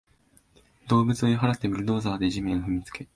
動物を追い払って、ブルドーザーで地面を踏みつけ